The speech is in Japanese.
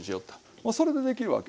もうそれでできるわけ。